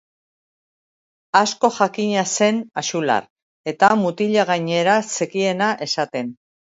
Askojakina zen Axular, eta mutila, gainera, zekiena esaten.